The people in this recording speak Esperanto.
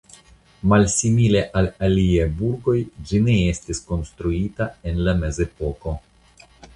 Malsimile al aliaj burgoj ĝi ne estis konstruita en la mezepoko.